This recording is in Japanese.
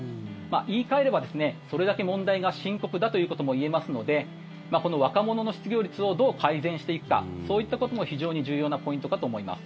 言い換えれば、それだけ問題が深刻だといえますのでこの若者の失業率をどう改善していくかそういったことも非常に重要なポイントかと思います。